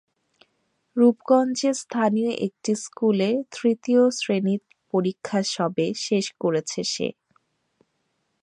রূপগঞ্জের স্থানীয় একটি স্কুলের তৃতীয় শ্রেণীর পরীক্ষা সবে শেষ করেছে সে।